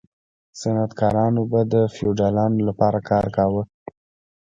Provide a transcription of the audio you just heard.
صنعتکارانو به د فیوډالانو لپاره کار کاوه.